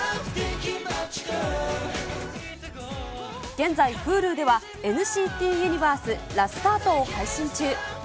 現在、ＨｕｌｕではＮＣＴユニバースラスタートを配信中。